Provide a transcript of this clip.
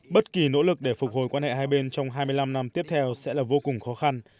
bất kỳ nỗ lực để phục hồi quan hệ hai bên trong hai mươi năm năm tiếp theo sẽ là vô cùng khó khăn